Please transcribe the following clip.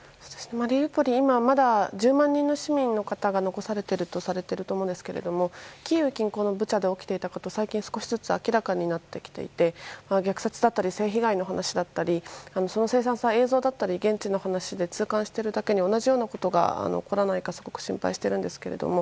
マリウポリ今はまだ１０万人の市民の方が残されているとされていると思うんですけれどもキーウ近郊のブチャで起きていたことが最近、少しずつ明らかになってきていて虐殺だったり性被害の話だったりその凄惨さ、映像だったり現地の話で痛感しているだけに同じようなことが起こらないかすごく心配してるんですけども。